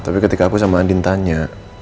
tapi ketika aku sama andin tanya